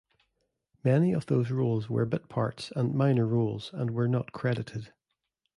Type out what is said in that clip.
Many of those roles were bit parts and minor roles and were not credited.